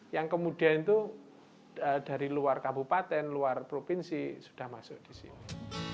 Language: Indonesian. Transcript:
yang kemudian itu dari luar kabupaten luar provinsi sudah masuk di sini